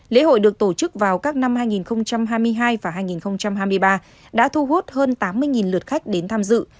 lễ hội được tổ chức vào các năm hai nghìn hai mươi hai và hai nghìn hai mươi ba đã thu hút hơn tám mươi lượt khách đến tham dự